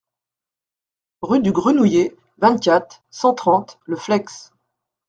Rue du Grenouillet, vingt-quatre, cent trente Le Fleix